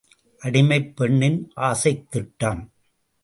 அடிமைப் பெண்ணின் ஆசைத் திட்டம்!